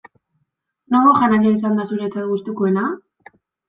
Nongo janaria izan da zuretzat gustukoena?